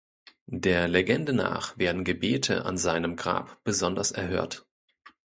Der Legende nach werden Gebete an seinem Grab besonders erhört.